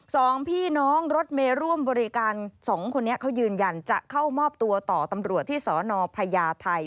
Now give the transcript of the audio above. สองพี่น้องรถเมย์ร่วมบริการสองคนนี้เขายืนยันจะเข้ามอบตัวต่อตำรวจที่สนพญาไทย